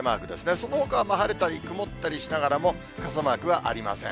そのほかは晴れたり曇ったりしながらも、傘マークはありません。